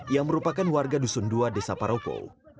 yang merupakan warga dusun dua desa paropo